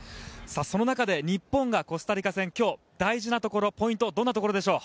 その中で日本がコスタリカ戦今日、大事なところポイントはどんなところでしょう？